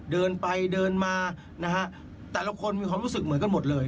เดินไปเดินมานะฮะแต่ละคนมีความรู้สึกเหมือนกันหมดเลย